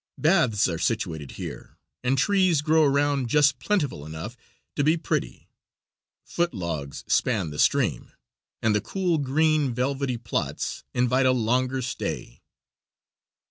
Baths are situated here, and trees grow around just plentiful enough to be pretty. Foot logs span the stream, and the cool, green, velvety plots invite a longer stay.